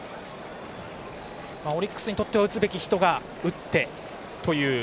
オリックスにとっては打つべき人が打ってという。